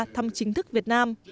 thăm chính thức việt nam